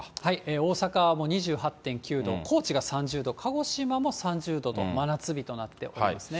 大阪はもう２８．９度、高知が３０度、鹿児島も３０度と、真夏日となっておりますね。